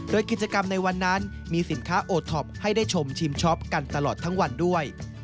โดยกิจกรรมในวันนั้นมีสินค้าโอท็อปให้ได้ชมชิมช็อปกันตลอดทั้งวันด้วย